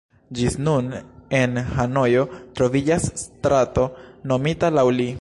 Ĝis nun en Hanojo troviĝas strato nomita laŭ li.